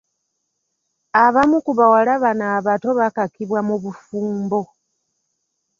Abamu ku bawala bano abato bakakibwa mu bufumbo.